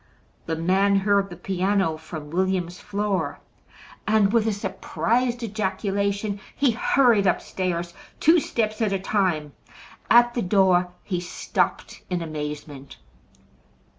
The man heard the piano from William's floor, and with a surprised ejaculation he hurried upstairs two steps at a time. At the door he stopped in amazement.